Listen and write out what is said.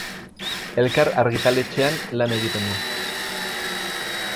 Elkar argitaletxean lan egiten du.